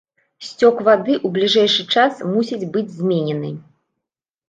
Сцёк вады ў бліжэйшы час мусіць быць зменены.